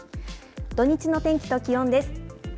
土日の天気と気温です。